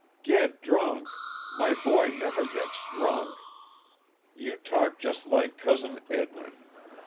"Get drunk! My boy never gets drunk! You talk just like Cousin Edwin.